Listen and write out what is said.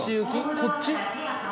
こっち？